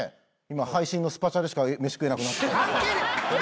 今配信のスパチャでしか飯食えなくなって。